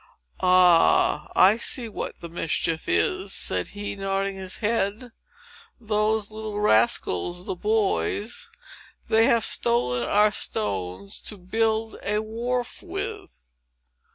"Ah, I see what the mischief is," said he, nodding his head. "Those little rascals, the boys! they have stolen our stones to build a wharf with!"